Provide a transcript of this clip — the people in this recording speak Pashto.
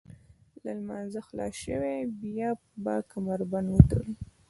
له لمانځه خلاص شوئ بیا به کمربند وتړئ.